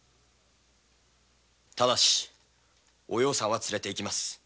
ただしお葉さんは連れて行く。